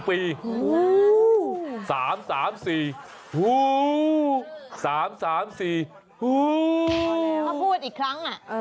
พอแล้วเขาก็พูดอีกครั้ง